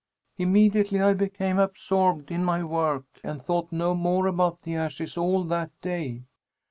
Immediately I became absorbed in my work and thought no more about the ashes all that day.